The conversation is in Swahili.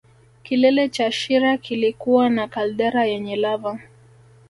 Kilele cha shira kilikuwa na kaldera yenye lava